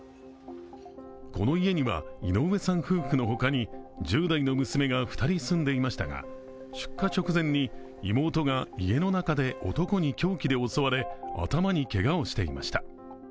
この家には井上さん夫婦の他に１０代の娘が２人すんでいましたが出火直前に妹が家の中で男に凶器で襲われ頭にけがをしていました。